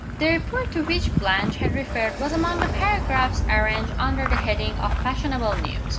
The report to which Blanche had referred was among the paragraphs arranged under the heading of "Fashionable News."